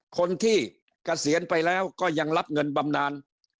เกษียณไปแล้วก็ยังรับเงินบำนาน